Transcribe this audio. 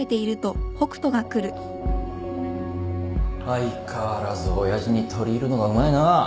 相変わらず親父に取り入るのがうまいな。